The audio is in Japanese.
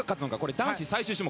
男子最終種目。